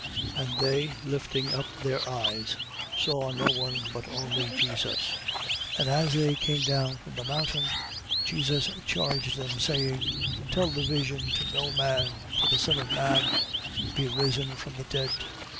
17:8. And they lifting up their eyes, saw no one, but only Jesus. 17:9. And as they came down from the mountain, Jesus charged them, saying: Tell the vision to no man, till the Son of man be risen from the dead.